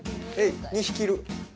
２匹いる。